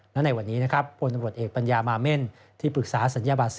และในวันนี้นะครับพลตำรวจเอกปัญญามาเม่นที่ปรึกษาศัลยบัตร